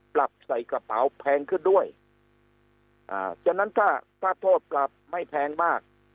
ปรับใส่กระเป๋าแพงขึ้นด้วยอ่าฉะนั้นถ้าถ้าโทษปรับไม่แพงมาก